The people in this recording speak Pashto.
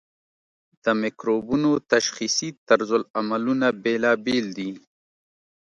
د مکروبونو تشخیصي طرزالعملونه بیلابیل دي.